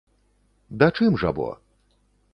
Да чым жа, бо?